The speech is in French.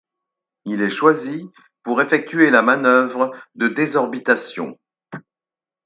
Il est choisi pour effectuer la manœuvre de désorbitation.